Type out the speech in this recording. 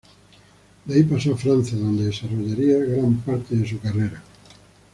De ahí pasó a Francia, donde desarrollaría gran parte de su carrera.